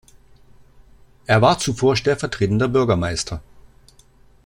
Er war zuvor stellvertretender Bürgermeister.